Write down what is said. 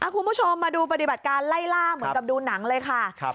คุณผู้ชมมาดูปฏิบัติการไล่ล่าเหมือนกับดูหนังเลยค่ะ